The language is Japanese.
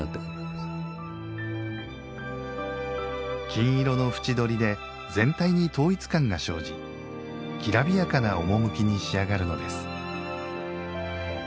金色の縁どりで全体に統一感が生じきらびやかな趣に仕上がるのです